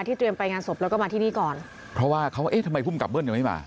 เตรียมไปงานศพแล้วก็มาที่นี่ก่อนเพราะว่าเขาเอ๊ะทำไมภูมิกับเบิ้ยังไม่มา